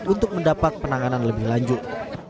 untuk mendapat penanganan lebih lanjut